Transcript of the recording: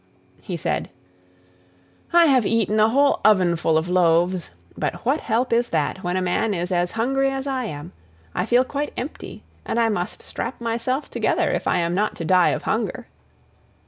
He said: "I have eaten a whole ovenful of loaves, but what help is that when a man is as hungry as I am? I feel quite empty, and I must strap myself together if I am not to die of hunger."